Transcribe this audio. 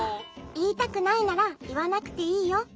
「いいたくないならいわなくていいよ。